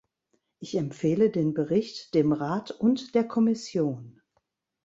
Ich empfehle den Bericht dem Rat und der Kommission.